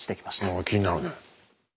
ああ気になるね。